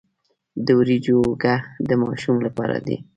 د وریجو اوړه د ماشوم لپاره دي.